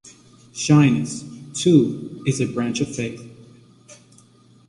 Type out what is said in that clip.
Shyness, too, is a branch of faith.